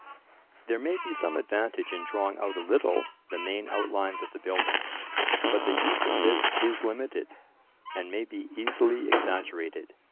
There may be some advantage in drawing out a little the main outlines of the building; but the use of this is limited, and may be easily exaggerated.